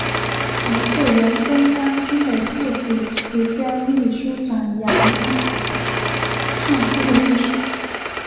曾是原中央军委副主席兼秘书长杨尚昆的秘书。